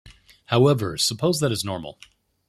However, suppose that is normal.